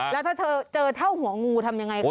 แล้วถ้าเธอเจอเท่าหัวงูทำยังไงคะ